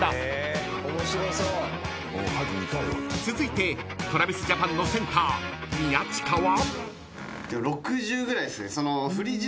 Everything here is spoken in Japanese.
［続いてＴｒａｖｉｓＪａｐａｎのセンター宮近は］